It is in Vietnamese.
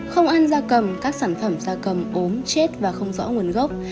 không ăn da cầm các sản phẩm da cầm ốm chết và không rõ nguồn gốc